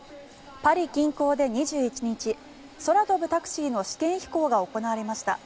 パリ近郊で２１日空飛ぶタクシーの試験飛行が行われました。